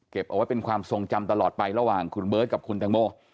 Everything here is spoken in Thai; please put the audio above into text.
เอาไว้เป็นความทรงจำตลอดไประหว่างคุณเบิร์ตกับคุณตังโม